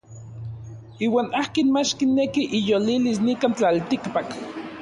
Iuan akin mach kineki iyolilis nikan tlaltikpak.